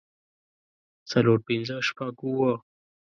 څلور پنځۀ شپږ اووه